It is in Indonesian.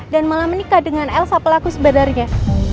dan malah menikah dengan elsa pelaku sebenarnya